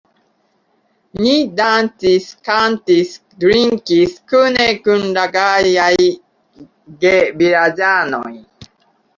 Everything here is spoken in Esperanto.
Ni dancis, kantis, drinkis kune kun la gajaj gevilaĝanoj.